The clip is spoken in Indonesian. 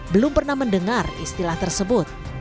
belum pernah mendengar istilah tersebut